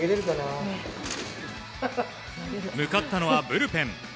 向かったのはブルペン。